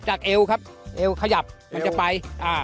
จากเอวครับเอวขยับมันจะไป